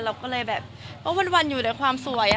เราก็เลยแบบวันอยู่ในความสวย